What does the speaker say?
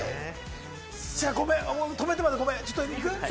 ごめん、止めてまでごめん、次行く？